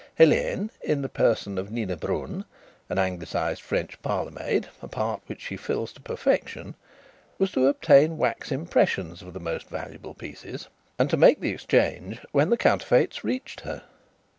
Helene, in the person of Nina Brun, an Anglicised French parlourmaid a part which she fills to perfection was to obtain wax impressions of the most valuable pieces and to make the exchange when the counterfeits reached her.